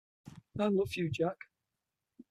I love you, Jack.